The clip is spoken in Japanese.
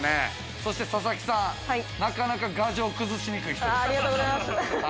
そして佐々木さん、なかなか牙城を崩しにくい人でした。